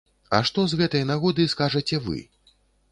А што з гэтай нагоды скажаце вы?